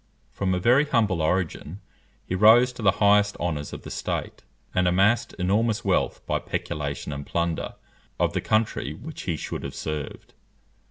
From a very humble origin he rose to the highest honours of the state, and amassed enormous wealth by peculation and plunder of the country which he should have served.